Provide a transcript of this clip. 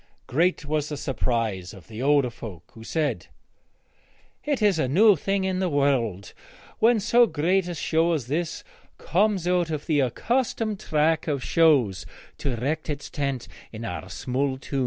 Great was the surprise of the older folk, who said, 'It is a new thing in the world when so great a show as this comes out of the accustomed track of shows to erect its tent in our small town!'